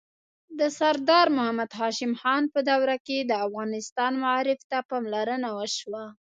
د سردار محمد هاشم خان په دوره کې د افغانستان معارف ته پاملرنه وشوه.